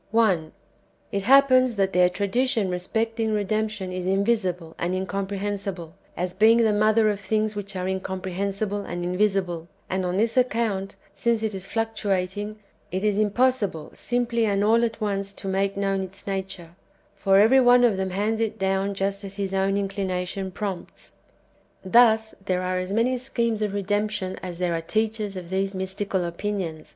1. It happens that their tradition respecting redemption^ is invisible and incomprehensible, as being the mother of things which are incomprehensible and invisible; and on this account, since it is fluctuating, it is impossible simply and all at once to make known its nature, for every one of them hands it down just as his own inclination prompts. Thus there are as manv sciiemes of "redemption" as there are teachers of these mystical opinions.